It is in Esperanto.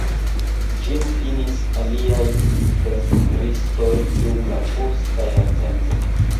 Ĝin finis aliaj pentristoj dum la posta jarcento.